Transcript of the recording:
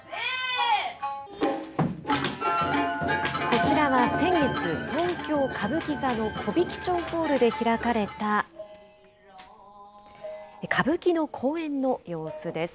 こちらは先月、東京・歌舞伎座の木挽町ホールで開かれた、歌舞伎の公演の様子です。